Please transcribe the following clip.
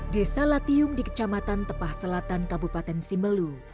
desa latium di kecamatan tepah selatan kabupaten simelu